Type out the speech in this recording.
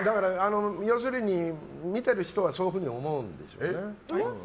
要するに、見てる人はそういうふうに思うんでしょうね。